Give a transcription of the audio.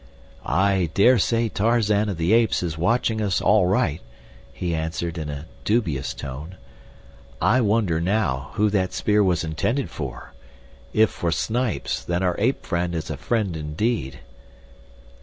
"I dare say Tarzan of the Apes is watching us all right," he answered, in a dubious tone. "I wonder, now, who that spear was intended for. If for Snipes, then our ape friend is a friend indeed.